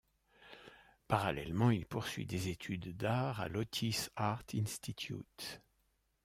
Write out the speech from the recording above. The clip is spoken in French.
Parallèlement, il poursuit des études d'art à l'Otis Art Institute.